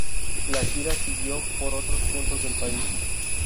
La gira siguió por otros puntos del país.